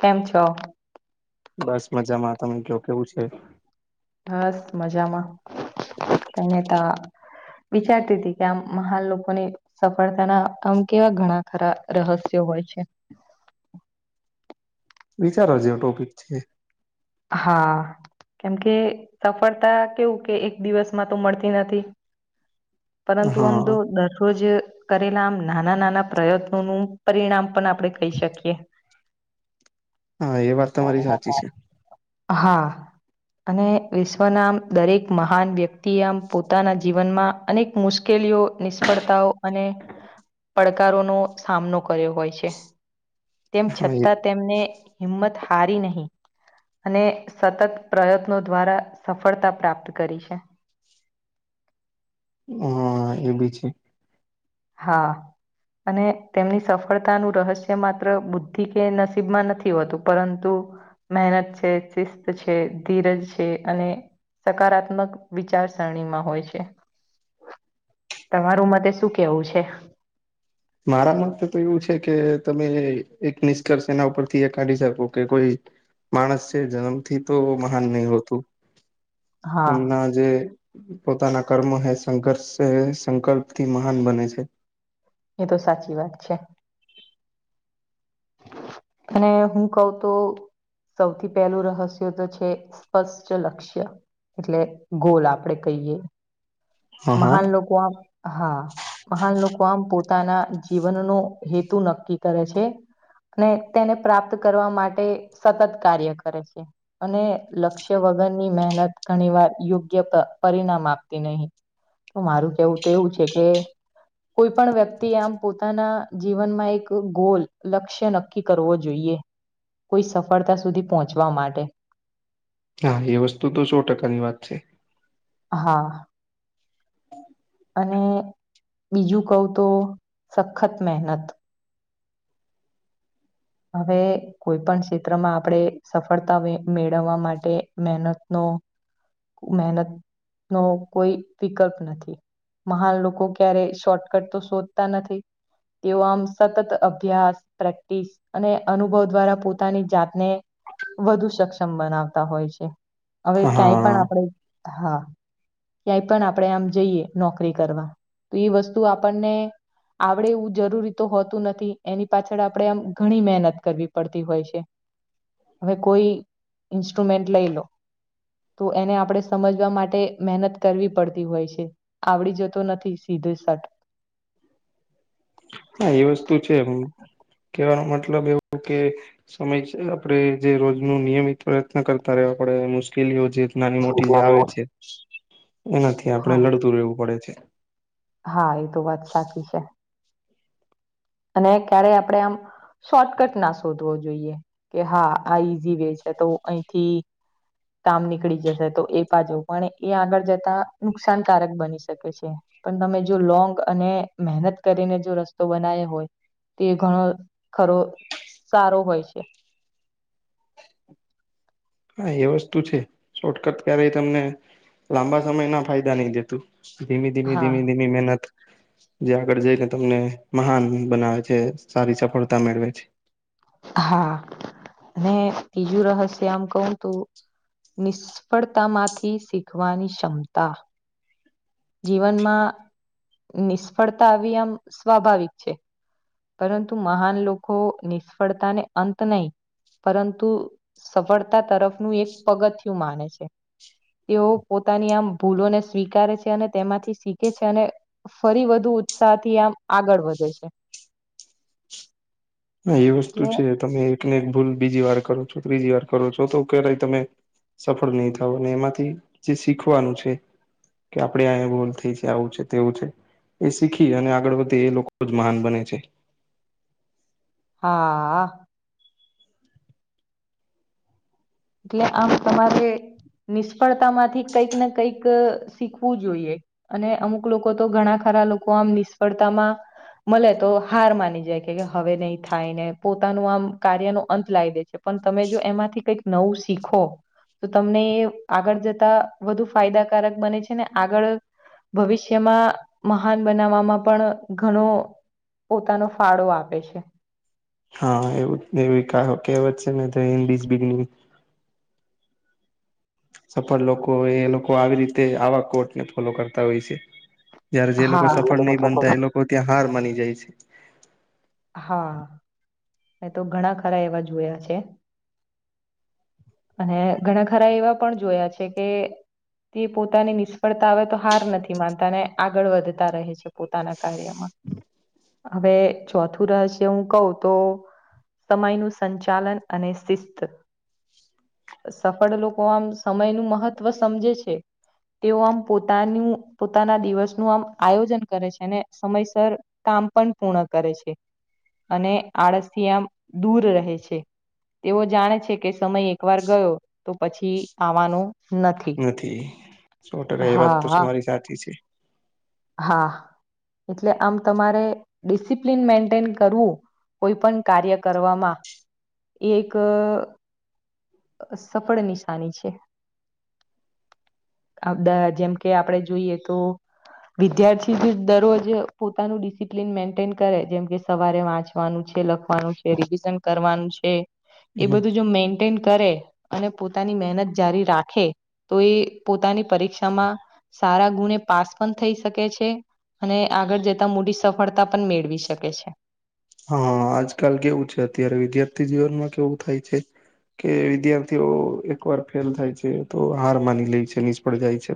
કેમ છો? બસ મજામાં. તમે કયો કેવું છે? હાસ મજામાં. કનેતા વિચારતી હતી કે આમ મહાલ લોકોની સફળતાના આમ કેવા ઘણા ખરા રહસ્યો હોય છે. વિચાર વા જેવો ટોપિક છે. હા કેમ કે સફળતા કેવું કે એક દિવસમાં તો મળતી નથી પરંતુ આમ તો હા દરરોજ કરેલા આમ નાના નાના પ્રયત્નોનું પરિણામ પણ આપણેે કહી શકીએ. હા એ વાત તમારી સાચી છે. હા અને વિશ્વના આમ દરેક મહાન વ્યક્તિ આમ પોતાના જીવનમાં અનેક મુશ્કેલ નિષ્ફળતાઓ અને પડકારોનો સામનો કર્યો હોય છે. તેમ હા એ છતાં તેમને હિંમત હારી નહીં. અને સતત પ્રયત્નો દ્વારા સફળતા પ્રાપ્ત કરી છે. [inaudible] હા એ બી છે હા અને તેમની સફળતાનું રહસ્ય માત્ર બુદ્ધિ કે નસીબમાં નથી હોતું પરંતુ મહેનત છે ચિસ્ત છે ધીરજ છે અને સકારાત્મક વિચારસરણીમાં હોય છે તમારું મતે સુખ કેવું છે મારા માટે તો એવું છે કે તમે એક નિષ્કર્ષ એના ઉપરથી એ કાઢી શકો કે કોઈ માણસ છે જન્મ થી તો મહાન નહી હોતું. હા, એમના જે પોતાના કર્મો હે સંઘર્ષ સંકલ્પથી મહાન બને છે. એ તો સાચી વાત છે અને હું કઉ તોું સૌથી પહેલું રહસ્ય તો છે સ્પષ્ટ લક્ષ્ય એટલે ગોલ આપણેે કહીએ હા હા મહાન લોકો આમ હા મહાન લોકો આમ પોતે પોતાના જીવનનો હેતુ નક્કી કરે છે અનેને તેને પ્રાપ્ત કરવા માટે સતત કાર્ય કરે છે અને લક્ષ્ય વગર ની મહેનત ઘણી વાર યોગ્ય પરિણામ આપતી નહીિ તો મારું કેવું તો એવું છે કે કોઈ પણ વ્યક્તિ આમ પોતાના જીવનમાં એક ગોલ લક્ષ્ય નક્ નકી કરવો જોઈએ કોઈ સફળતા સુધી પહોંચવા માટે હા એ વસ્તુ તો સો ટકાની વાત છે હા અને બીજું કહ તો સખત મહેનત હવે કોઈ પણ ક્ષેત્રમાં આપણે સફળતા મેળવવા માટે મહેનતનૌ મહેનત નો કોઈ વિકલ્પ નથી મહાન લોકો ક્યારે શોર્ટકટ તો શોધતા નથી તેઓ આમ સતત અભ્યાસ પ્રેક્ટિસ અને અનુભવ દ્વારા પોતાની જાતને વધુ સક્ષમ બનાવતા હોય છે હવે હા ક્યાંય પણ આપણે હા ક્યાંય પણ આપણે આમ જઈએ નોકરી કરવા તો એ વસ્તુ આપણને આવડે એવું જરૂરી તો હોતું નથી એની પાછળ આપણેે આમ ઘણી મહેનત કરવી પડતી હોય છે હવે કોઈ ઈન્સ્ટ્રુમેન્ટ લઈ લો તો એને આપ આપણે સમજવા માટે મહેનત કરવી પડતી હોય છે આવડી જતો નથી સીધું શટ [inaudible] હા એ વસ્તુ છે એમ કેવાનો માટે મતલબ એવું કે સમય આપણેે જે રોજ ન નિયમિત પ્રયત્ન કરતા રહ આપણે મુશ્કેલીઓ જે નાની મોટી જે આવે છે એ નથી આપડે હા લડતું રહેવું પડે છે હા એ તો વાત સાચી છે અને ક્યારે આપડે આમ શોર્ટકટ ના શોધવો જોઈએ કે હા આ ઈઝી વે છે તો અહીંથી કામ નીકળી જશે તો એ પાછુ પણ એ આગળ જતા નુકસાનકારક બની શકે છે પણ તમે જો લોંગ અને મહેનત કરીને જો રસ્તો બનાવ હોય તે ઘણો ખરો સારો હોય છે [unintelligible] હા એ વસ્તુ છે શોર્ટકટ ક્યારેય તમને લાંબા સમય ના ફાયદા નહી દેતું ધીમી ધીમી હા ધીમી ધીમી મહેનત જે આગળ જઈને તમને મહાન બનાવે છે સારી સફળતા મેળવે છે હા અને બ્રીજું રહસ્ય આમ કહું તું નિષ્ફળતામાંથી શીખવાની ક્ષમતા જીવનમાં નિષ્ફળતા આવી આમ સ્વાભાવિક છે પરંતુ મહાન લોકો નિષ્ફળતાને અંત નહી પરંતુ સફળતા તરફનું એક પગથયું માને છે તેઓ પોતાની આમ ભૂલોને સ્વીકારે છે અને તેમાંથી શીખે છે અને ફરી વધુ ઉત્સાહ થી આમ આગળ વધે છે હા એ વસ્તુ એટલે છે તમે એક ને એક ભૂલ બીજી વાર કરો ત્રીજી વાર કરો છો તો કે્યારેય તમે સફળ નહીિ થાવ અને એમાંથી જે શીખવાનું છે કે આપડે અયા ગોલ થઈ છે આવું છે તેવું છે એ શીખી અને આગળ વધી એ લોકો જ મહાન બને છે. હા. એટલે આમ તમારે. નિષ્ફળતા માંથી કંઈક ને કઈક શીખવું જોઈએ અને અમુક લોકો તો ઘણા ખા. લોકો આમ નિષ્ફળતામાં. મળે તો હાર માની જાય કે હવે નહી થાય ને પોતાનું આમ કાર્ય ન અંત લાવી દે છે. પણ તમે જો એમાંથી કંઈક નવું શીખો. તો તમને એ આગળ જતા વધુ ફાયદાકારક બને છે ને આગળ. ભવિષ્યમાં મહાન બનાવવામાં પણ ઘણો. પોતાનો ફાળો આપે છે. હા એવું એવી કહેવત છે મે તો હન્ી બિગની સફળ લોકો એ લોકો આવી રીતે આવા કોર્ટને ફોલો કરતા હોય છે. જયારે જે લોકો હા. સફળ નહી બનતા એ લોકો ત્યાં હાર માની જાય છે. હા મેં તો ઘણા ખરા એવા જોયા છે. અને ઘણા ખરા એવા પણ જોયા છે કે. તે પોતાની નિષ્ફળતા આવે તો હાર નથી માનતા ને આગળ વધતા રહે છે પોતાના. હવે ચોથું રહસ્ય હું કઉ તો. સમયનું સંચાલન અને શિસ્ત. સફળ લોકો આમ સમય નું મહત્વ સમજે છે. તેઓ આમ પોતાનું પોતાના દિવસ નું આમ આયોજન કરે છે સમયસર. પણ પૂર્ણ કરે છે અને આળસિયા દૂર રહે છે. તેઓ જાણે છે કે સમય એક વાર ગયો તો પછી આવવાનો. નથી સોટકા એ વાત હા તો હા તમારી સાચી છે. હા એટલે આમ તમારે ડિસિપ્લિન મેન્ટેન કરવું. કોઈ પણ કાર્ય કરવામાં એક. સફળ નિશાની છે. આપદ જેમ કે આપડે જોઈએ તો. વિદ્યાર્થી દરરોજ પોતાનું ડિસિપ્લિન મેન્ટેન કરે જેમ કે સવારે વાંચવાનું છે. કરવાનું છે એ હમ બધું જો મે. ે અને પોતાની મહેનત જારી રાખે તો એ પોતાની પરીક્ષામાં. સારા ગુણે પાસ પણ થઈ શકે છે. અને આગળ જતા મોટી સફળતા પણ મેળવી શકે છે. હા આજકાલ કેવું છે અત્યારે વિદ્યાર્થી જીવનમાં કેવું થાય છે. કે વિદ્યાર્થીઓ એકવાર ફેલ થાય છે તો હાર માની લે છે નિષ્ફળ જાય છે.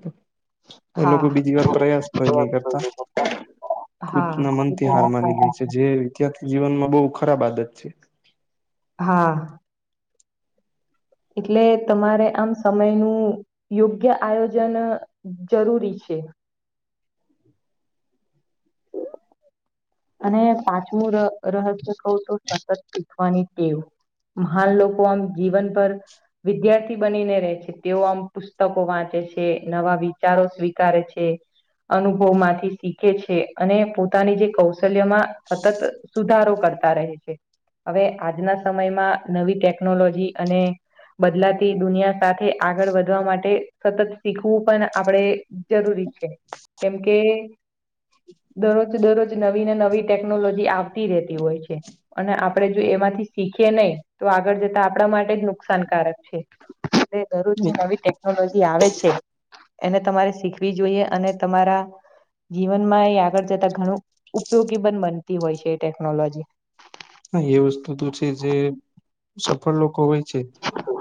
એ લોકો હા બીજી વાર પ્રયાસ પણ નહી કરતા. કૃતના મનથી હાર માની લે હા છે જે વિદ્યાર્થી જીવનમાં બહુ ખરાબ આદત છે. હા. એટલે તમારે આમ સમય નું યોગ્ય આયોજન જરૂરી છે. છે. અને પાંચમું રહસ્ય કવ તો સતત શીખવાની ટેવ. મહાન લોકો આમ જીવન પર. વિદ્યાર્થી બનીને રહે છે તેઓ આમ પુસ્તકો વાંચે છે નવા વિચારો સ્વીકારે છે. અનુભવ માંથી શીખે છે અને પોતાની જે કૌશ. કૌશલ્યમાં સતત સુધારો કરતા રહે છે. હવે આજના સમયમાં નવી ટેકનોલોજી અને. બદલાતી દુનિયા સાથે આગળ વધવા માટે સતત શીખવું પણ આપણેે જરૂરી. કેમકે દરરોજ દરરોજ. નવી ને નવી ટેકનોલોજી આવતી રતી હોય છે અને આપડે જો એમાંથી શીખીએ નહી તો. આગળ જતા આપણા માટે જ નુકસાનકારક છે એટ દરરોજ નવી ટેકનોલોજી આવે છે. એને તમારે શીખવી જોઈએ અને તમારા જીવનમાં એ આગળ જતા ઘણું. ઉપયોગી પણ બનતી હોય છે એ ટેકનોલોજી હા એ વસ્તુ તો છે જે સફળ લોકો હોય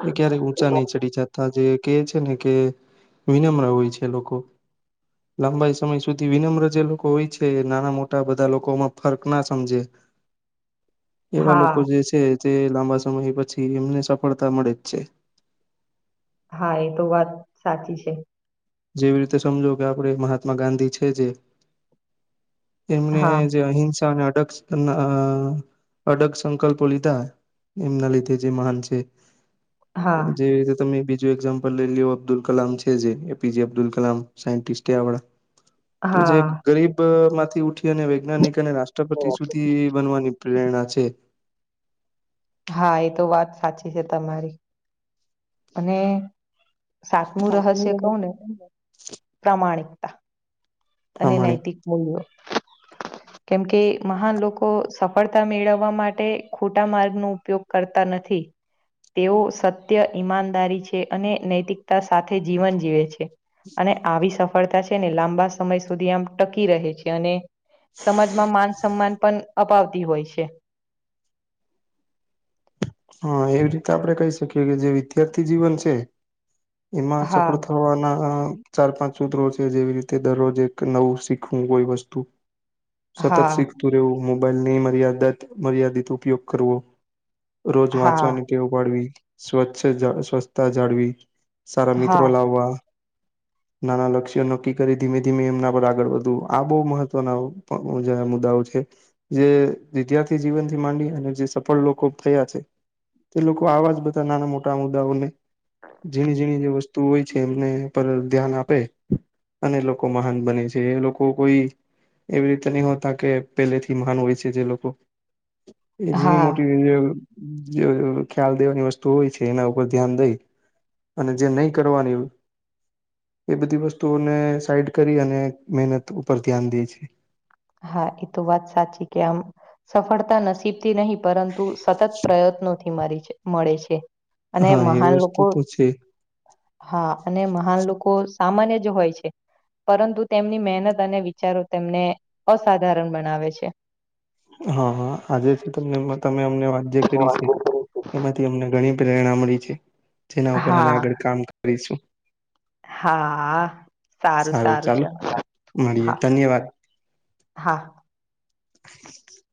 એ ક્યારેક ઊંચા નહી ચડી જતા જે કે છે ને કે વિનમ્ર હોય છે લોકો લાંબાઈ સમય સુધી વિનમ્ર જે લોકો હોય છે એ નાના મોટા બધા લોકોમાં ફર્ક ના સમજે [inaudible] એવા લોકો હા જે છે તે લાંબા સમય પછી એમને સફળતા મળે જ છે હા એ તો વાત સાચી છે જેવી રીતે સમજો કે આપણે મહાત્મા ગાંધી છે જે એમને હા જે અહિંસા અને અડગ અડગ સંકલ્પો લીધા એમના લીધે જે મહાન છે હા જેવી રીતે તમે બીજું એક્ઝામ્પલ લઈ લ અબ્દુલ કલામ છે જેને અબ્ુલ કલામ સા જે હા. ગરીબ થી ઉઠી અને વૈજ્ઞાનિક અને રાષ્ટ્રપતિ સુધી બનવાની પ્રેરણા છે હા એ તો વાત સાચી છે તમારી અને સાતમું સાચું રહસ્ય રહે કૌ છે ને તમને પ્રામાણિકતા અને પ્રમાણિક નૈતિક મૂલ્યો કેમ કે મહાન લોકો સફળતા મેળવવા માટે ખોટા માર્ગ ન ઉપયોગ કરતા નથી નથી તેઓ સત્ય ઈમાનદારી છે અને નૈતિકતા સાથે જીવન જીવે છે અને આવી સફળતા છે ને લાંબા સમય સુધી આમ ટકી રહે છે અને સમાજમાં માન સન્માન પણ અપાવતા હોય છે હા એવી રીતે આપડે કહી શકીએ કે જે વિદ્યાર્થી જીવન છે એમાં હા, સપર્ટ થવાના ચાર પાંચ સૂત્રો છે જેવી રીતે દરરોજ એક નવું શીખવું કોઈ વસ્તુ. સતત હા, શીખતું રહેવું મોબાઈલની મર્યાદા મર્યાદિત ઉપયોગ કરવો. રોજ હા, વાંચવાની ટેવ પાડવી સ્વચ્છ જા સ્વચ્છતા જાળવી. સારા હા, મિત્રો લાવવા. [inaudible] નાના લક્ષ્ય્યો નક્કી કરી ધીમે ધીમે એમના પર આગળ વધવું આ બઉ મહત્વના ઓ પ જાયા મુદ્દાઓ છે. જે વિદ્યાર્થી જીવન થી માંડી અને જે સફળ લોકો થયા છે તે લોકો આવા જ બધા નાના મોટા મુદ્દાઓને ઝીણી ઝીણી જે વસ્તુ હોય છે એમને પર ધ્યાન આપે. અને લોકો મહાન બને છે એ લોકો કોઈ એવી રીતે નહી હોતા કે પહેલેથી મહાન હોય છે જે લોકો. એ ઝીણી હા, મોટી. [unintelligible] જે અ ખ્યાલ દેવાની વસ્તુ હોય છે એના ઉપર ધ્યાન દઈ અને જે નહી કરવાની એ બધી વસ્તુઓને સાઈડ કરી અને મહેનત ઉપર ધ્યાન દે છે. હા એ તો વાત સાચી કે આમ સફળતા નસીબ થી નહી પરંતુ સતત પ્રયત્નોથી મારી છે મળે છે. અને હા એ મહાન વસ્તુ લોકો તો છે હા અને મહાન લોકો સામાન્ય જ હોય છે પરંતુ તેમની મહેનત અને વિચારો તેમને અસાધારણ બનાવે છે. હા હા આજે છે ત તમે અમને વાત જે કરી છે એમાંથી અમને ઘણી પ્રેરણા મળી છે જેના ઉપર અમે હા આગળ કામ કરીશું. હા. સારું સારું છે મળીએ હા ધન્યવાદ હા. [inaudible]